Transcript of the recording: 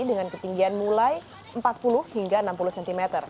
dengan ketinggian mulai empat puluh hingga enam puluh cm